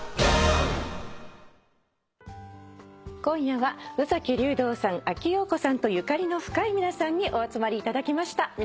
今夜は宇崎竜童さん阿木燿子さんとゆかりの深い皆さんにお集まりいただきました。